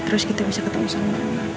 terus kita bisa ketemu sama